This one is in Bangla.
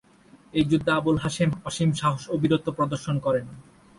এই যুদ্ধে আবুল হাসেম অসীম সাহস ও বীরত্ব প্রদর্শন করেন।